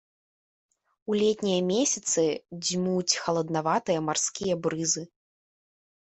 У летнія месяцы дзьмуць халаднаватыя марскія брызы.